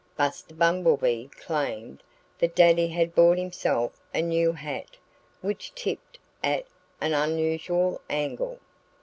Buster Bumblebee claimed that Daddy had bought himself a new hat which tipped at an unusual angle.